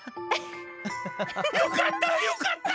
よかったよかった！